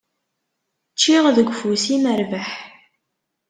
Ččiɣ deg ufus-im rrbeḥ.